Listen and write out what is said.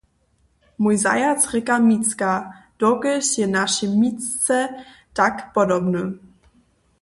Mój zajac rěka "micka", dokelž je našej micce tak podobny.